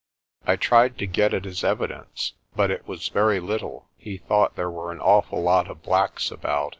I tried to get at his evidence, but it was very little. He thought there were an awful lot of blacks about.